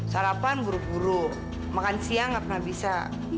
sarapan buru buru makan siang nggak pernah bisa